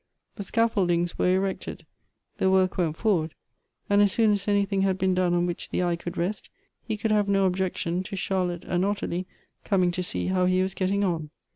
The scaffoldings were erected. The work went for ward ; and as soon as anything had been done on which the eye could rest, he could have no objection to Char lotte and Ottilie coming to see how he was getting on.